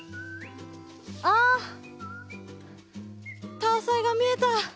タアサイが見えた！